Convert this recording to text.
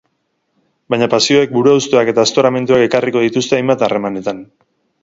Baina pasioek buruhausteak eta aztoramenduak ekarriko dituzte hainbat harremanetan.